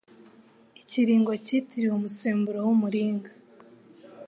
Ikiringo cyitiriwe umusemburo wumuringa